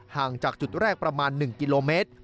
ห่างจากจุดแรกประมาณ๑กิโลเมตร